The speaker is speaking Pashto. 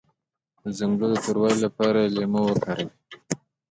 د څنګلو د توروالي لپاره لیمو وکاروئ